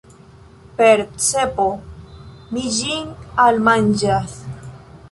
Per cepo mi ĝin almanĝas.